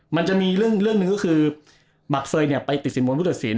มันจะมีเรื่องหนึ่งก็คือหมักเซยเนี่ยไปติดสินบนผู้ตัดสิน